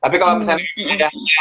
tapi kalau misalnya